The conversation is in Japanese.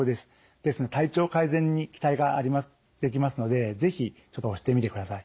ですので体調改善に期待ができますので是非ちょっと押してみてください。